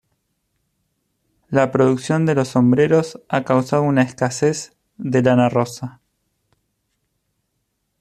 La producción de los sombreros ha causado una escasez de lana rosa.